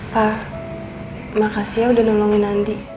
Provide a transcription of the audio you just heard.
pak makasih ya udah nolongin andi